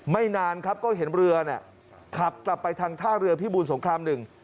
ไม่นานก็เห็นเรือขับกลับไปทางท่าเรือพิบูลสงครามหนึ่ง